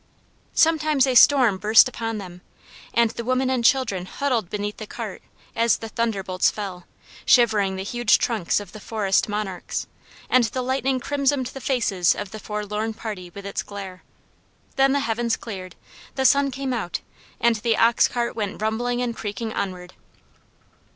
Sometimes a storm burst upon them, and the women and children huddled beneath the cart as the thunderbolts fell, shivering the huge trunks of the forest monarchs; and the lightning crimsoned the faces of the forlorn party with its glare. Then the heavens cleared; the sun came out; and the ox cart went rumbling and creaking onward.